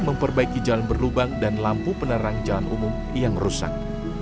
memperbaiki jalan berlubang dan lampu penerang jalan umum yang rusak